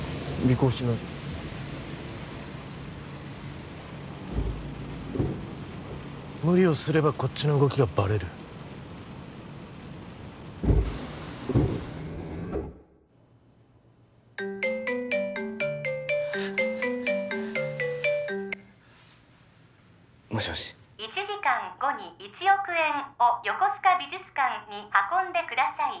尾行しないで無理をすればこっちの動きがバレるもしもし１時間後に１億円を横須賀美術館に運んでください